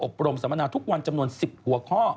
บรมสัมมนาทุกวันจำนวน๑๐หัวข้อ